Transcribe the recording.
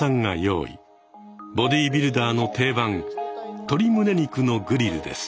ボディビルダーの定番「鶏胸肉のグリル」です。